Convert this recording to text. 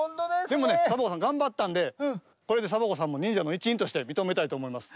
でもねサボ子さんがんばったんでこれでサボ子さんもにんじゃのいちいんとしてみとめたいとおもいます。